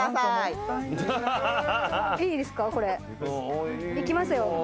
いきますよ。